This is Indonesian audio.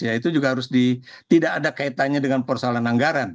ya itu juga harus tidak ada kaitannya dengan persoalan anggaran